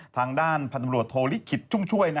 ทางด้านพันธบรวจโทลิขิตชุ่มช่วย